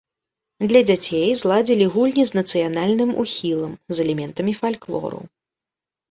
Для дзяцей зладзілі гульні з нацыянальным ухілам, з элементамі фальклору.